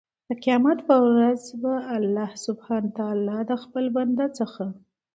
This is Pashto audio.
د قيامت په ورځ به الله سبحانه وتعالی د خپل بنده څخه